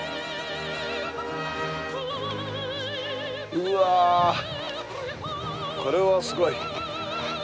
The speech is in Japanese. うわこれはすごい。